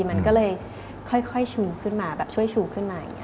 มันก็เลยค่อยชุมขึ้นมาแบบช่วยชูขึ้นมาอย่างนี้ครับ